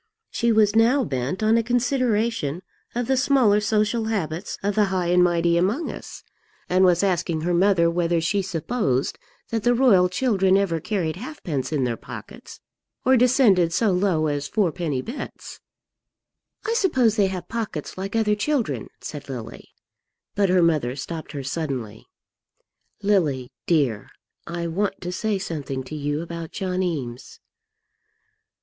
She was now bent on a consideration of the smaller social habits of the high and mighty among us, and was asking her mother whether she supposed that the royal children ever carried halfpence in their pockets, or descended so low as fourpenny bits. "I suppose they have pockets like other children," said Lily. But her mother stopped her suddenly, "Lily, dear, I want to say something to you about John Eames."